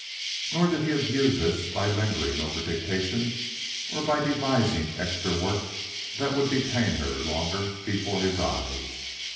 Nor did he abuse this by lingering over dictation or by devising extra work that would detain her longer before his eyes.